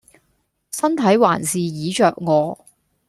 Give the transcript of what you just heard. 身體還是椅著我